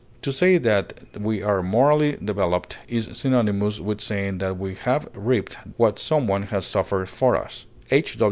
To say that we are morally developed is synonymous with saying that we have reaped what some one has suffered for us. H.